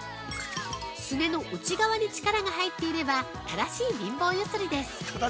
すねの内側に力が入っていれば正しい貧乏ゆすりです。